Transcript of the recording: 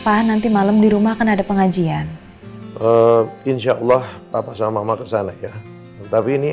pak nanti malam di rumah kan ada pengajian insyaallah papa sama mama kesana ya tapi ini